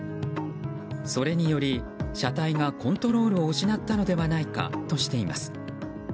それにより車体がコントロールを失ったのではないかとしています。